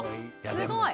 すごい。